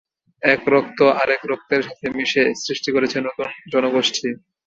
এক রক্ত আরেক রক্তের সাথে মিশে সৃষ্টি করেছে নতুন জনগোষ্ঠী।